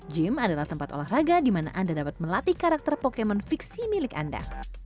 gym adalah tempat olahraga di mana anda dapat melatih karakter pokemon fiksi milik anda